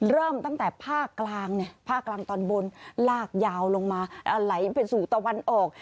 เริ่มตั้งแต่ภาคกลางภาคกลางตอนบนลากยาวลงมาไหลไปสู่ตะวันออก